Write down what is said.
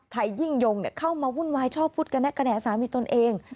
ไถ่ยิ่งยงเข้ามาหุ่นวายชอบพูดกับนักแกน้สามีตนเอง